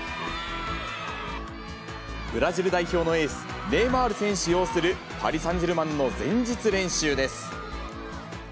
ブラジル代表のエース、ネイマール選手擁するパリサンジェルマンの前日練習です。